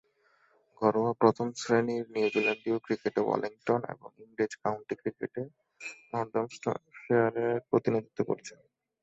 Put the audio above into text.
ঘরোয়া প্রথম-শ্রেণীর নিউজিল্যান্ডীয় ক্রিকেটে ওয়েলিংটন এবং ইংরেজ কাউন্টি ক্রিকেটে নর্দাম্পটনশায়ারের প্রতিনিধিত্ব করেছেন।